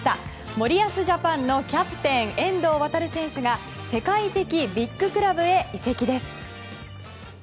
森保ジャパンのキャプテン遠藤航選手が世界的ビッグクラブへ移籍です。